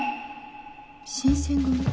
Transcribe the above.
新選組。